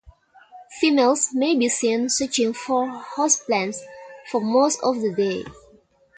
Females may be seen searching for host plants for most of the day.